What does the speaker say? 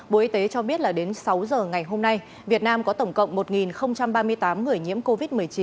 bộ y tế cho biết là đến sáu giờ ngày hôm nay việt nam có tổng cộng một ba mươi tám người nhiễm covid một mươi chín